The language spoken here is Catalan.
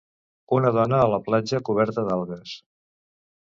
Una dona a la platja coberta d'algues.